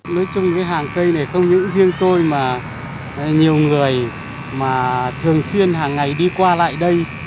nói chung cái hàng cây này không những riêng tôi mà nhiều người mà thường xuyên hàng ngày đi qua lại đây